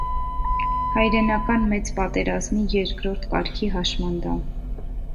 Հայրենական մեծ պատերազմի երկրորդ կարգի հաշմանդամ։